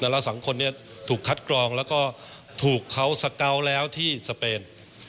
เราสองคนนี้ถูกคัดกรองแล้วก็ถูกเขาสเกาะแล้วที่สเปน